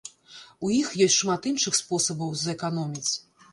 У іх ёсць шмат іншых спосабаў зэканоміць.